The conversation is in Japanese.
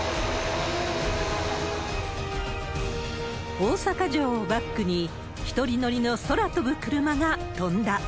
大阪城をバックに、１人乗りの空飛ぶクルマが飛んだ。